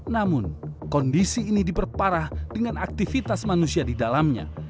namun kondisi ini diperparah dengan aktivitas manusia di dalamnya